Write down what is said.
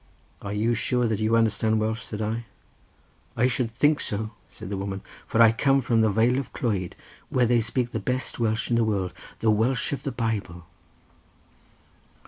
"Are you sure that you understand Welsh?" said I. "I should think so," said the woman, "for I come from the vale of Clwyd, where they speak the best Welsh in the world, the Welsh of the Bible."